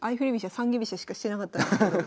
三間飛車しかしてなかったんですけど。